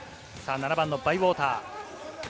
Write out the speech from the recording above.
７番のバイウォーター。